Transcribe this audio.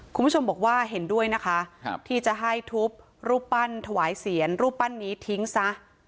คุณผู้ชมบอกว่าเห็นด้วยนะคะที่จะให้ทุบรูปปั้นถวายเสียรรูปปั้นนี้ทิ้งซะ